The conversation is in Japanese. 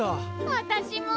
わたしも。